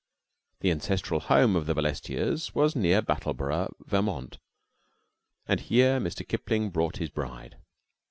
The ancestral home of the Balestiers was near Brattleboro', Vt., and here Mr. Kipling brought his bride.